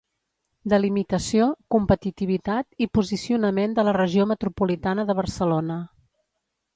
Delimitació, competitivitat i posicionament de la Regió Metropolitana de Barcelona.